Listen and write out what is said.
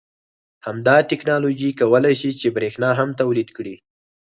همدا تکنالوژي کولای شي چې بریښنا هم تولید کړي